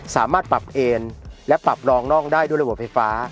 สามารถปรับเอนและปรับรองน่องได้ด้วยระบบไฟฟ้า